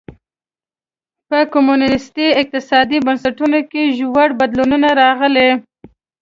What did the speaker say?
په کمونېستي اقتصادي بنسټونو کې ژور بدلونونه راغلي.